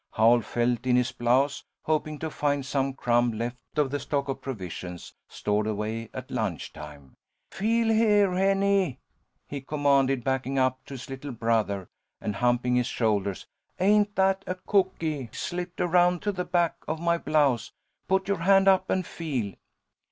Howl felt in his blouse, hoping to find some crumb left of the stock of provisions stored away at lunch time. "Feel there, Henny," he commanded, backing up to his little brother, and humping his shoulders. "Ain't that a cooky slipped around to the back of my blouse? Put your hand up and feel."